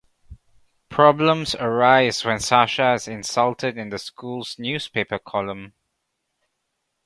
Problems arise when Sasha is insulted in the school's newspaper column.